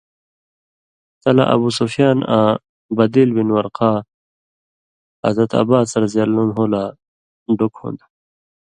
تلہ ابُو سفیان آں بدیل بن ورقا حضرت عباسؓ لا ڈوک ہُون٘دہۡ